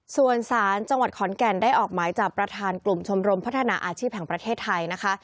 ส่วนสารจังหวัดขอนแก่นได้ออกหมายจับประธานกลุ่มชมรมพัฒนาอาชีพแห่งประเทศไทยนะคะ